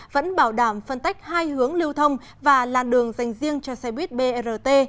vẫn bảo đảm phân tách hai hướng lưu thông và làn đường dành riêng cho xe buýt brt